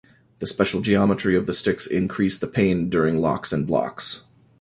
The special geometry of the sticks increase the pain during locks and blocks.